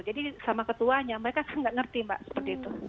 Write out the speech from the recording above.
jadi sama ketuanya mereka nggak ngerti mbak seperti itu